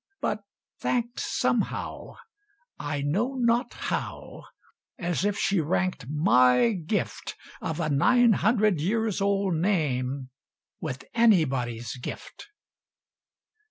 but thanked Somehow I know not how as if she ranked My gift of a nine hundred years old name With anybody's gift.